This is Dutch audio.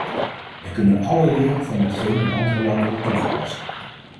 Wij kunnen allen leren van hetgeen in andere landen wordt toegepast.